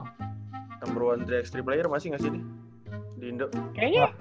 nomor satu tx tiga player masih gak sih di indo